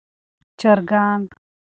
چرګان